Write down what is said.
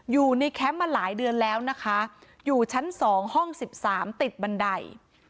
แคมป์มาหลายเดือนแล้วนะคะอยู่ชั้น๒ห้อง๑๓ติดบันได